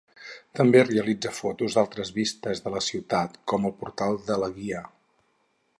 També realitza fotos d'altres vistes de la ciutat com el Portal de la Guia.